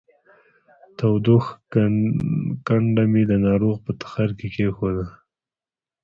تودوښ کنډه مې د ناروغ په تخرګ کې کېښوده